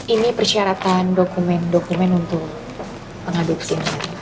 ini persyaratan dokumen dokumen untuk mengadopsi